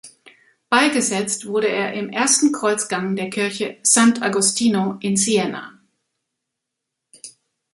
Beigesetzt wurde er im ersten Kreuzgang der Kirche Sant’Agostino in Siena.